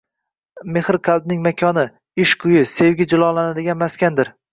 Qalb mehrning makoni, ishq uyi, sevgi jilolanadigan maskandir